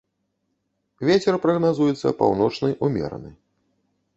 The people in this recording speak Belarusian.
Вецер прагназуецца паўночны ўмераны.